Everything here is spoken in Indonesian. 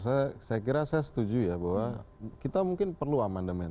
saya kira saya setuju ya bahwa kita mungkin perlu amandemen